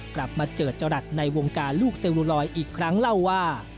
กลับมาเจอจรัสในวงการลูกเซลลูลอยอีกครั้งเล่าว่า